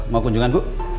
mau kunjungan bu